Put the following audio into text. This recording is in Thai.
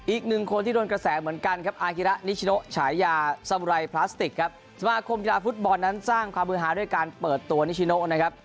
อีกหนึ่งคนที่โดนกระแสเหมือนกันครับอากิระนิชโนฉายาสมุไรพลาสติกครับสมาคมกีฬาฟุตบอลนั้นสร้างความมือหาด้วยการเปิดตัวนิชิโนนะครับ